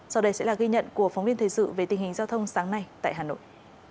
sau đây sẽ là ghi nhận của phóng viên thời sự về tình hình giao thông sáng nay tại hà nội